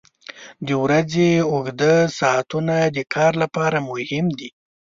• د ورځې اوږده ساعتونه د کار لپاره مهم دي.